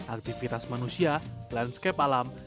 aktivitas manusia landscape alam